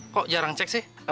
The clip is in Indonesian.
kok jarang cek sih